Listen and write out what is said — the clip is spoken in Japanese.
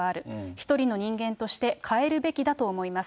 一人の人間として変えるべきだと思います。